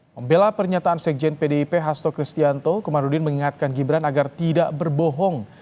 membela pernyataan sekjen pdip hasto kristianto komarudin mengingatkan gibran agar tidak berbohong